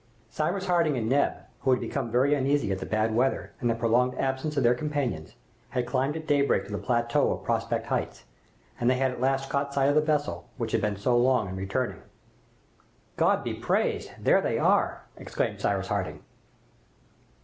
Cyrus Harding and Neb, who had become very uneasy at the bad weather and the prolonged absence of their companions, had climbed at daybreak to the plateau of Prospect Heights, and they had at last caught sight of the vessel which had been so long in returning. "God be praised! there they are!" exclaimed Cyrus Harding.